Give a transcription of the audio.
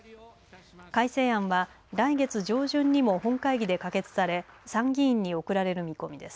改正案は来月上旬にも本会議で可決され参議院に送られる見込みです。